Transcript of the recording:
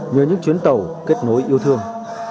nhờ những chuyến tàu kết nối yêu thương